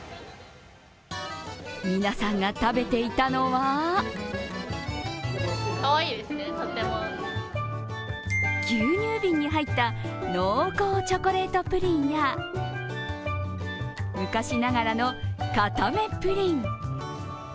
皆さんが食べていたのは牛乳瓶に入った濃厚チョコレートプリンや昔ながらの、かためプリン。